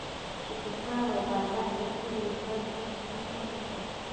چې په کار او بازار کې خپل ویښتان پټ نه کړم. په